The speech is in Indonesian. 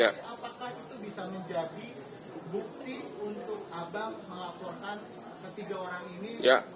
apakah itu bisa menjadi bukti untuk abang melaporkan ketiga orang ini